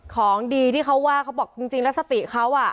ของดีที่เขาว่าเขาบอกจริงแล้วสติเขาอ่ะ